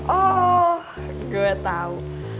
oh gue tau